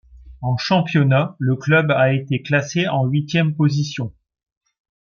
En championnat, le club a été classé en huitième position.